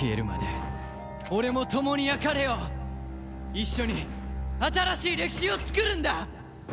一緒に新しい歴史を作るんだ！